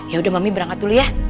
yaudah mami berangkat dulu ya